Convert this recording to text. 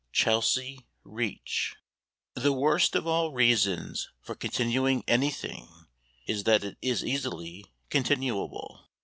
CHELSEA REACH The worst of all reasons for continuing anything is that it is easily continuable.